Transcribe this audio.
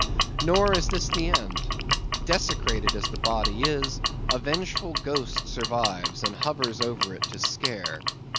Nor is this the end. Desecrated as the body is, a vengeful ghost survives and hovers over it to scare.